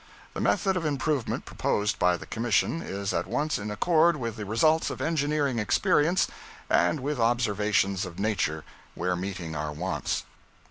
The method of improvement proposed by the commission is at once in accord with the results of engineering experience and with observations of nature where meeting our wants.